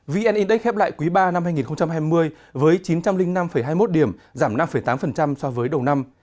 vn index khép lại quý ba năm hai nghìn hai mươi với chín trăm linh năm hai mươi một điểm giảm năm tám so với đầu năm